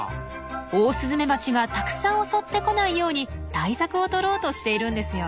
オオスズメバチがたくさん襲ってこないように対策をとろうとしているんですよ。